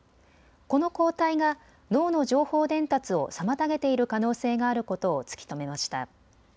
この抗体が脳の情報伝達を妨げている可能性があることを突き止めました。